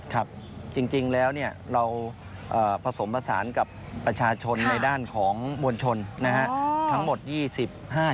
ครับจริงแล้วเนี่ยเราผสมผสานกับประชาชนในด้านของมวลชนนะฮะทั้งหมด